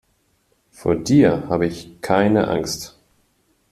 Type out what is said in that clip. Vor dir habe ich keine Angst.